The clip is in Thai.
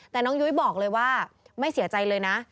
แต่น้องยุ้ยบอกเลยว่าไม่เสียใจเลยนะ